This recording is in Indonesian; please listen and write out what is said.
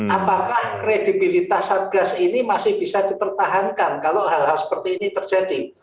apakah kredibilitas satgas ini masih bisa dipertahankan kalau hal hal seperti ini terjadi